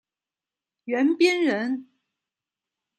袁彬人。